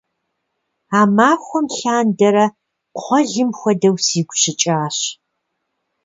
А махуэм лъандэрэ кхъуэлым хуэдэу сигу щыкӏащ.